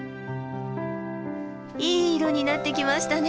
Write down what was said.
いい色になってきましたね。